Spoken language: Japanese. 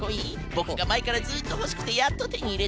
ボクがまえからずっとほしくてやっとてにいれた？